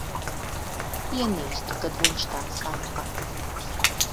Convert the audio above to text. Ienīstu, kad viņš tā saka.